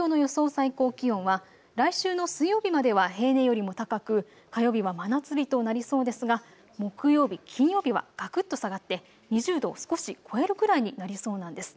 最高気温は来週の水曜日までは平年よりも高く火曜日は真夏日となりそうですが木曜日、金曜日はがくっと下がって２０度を少し超えるくらいになりそうなんです。